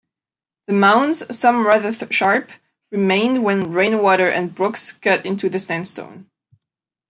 The mounds, some rather sharp, remained when rainwater and brooks cut into the sandstone.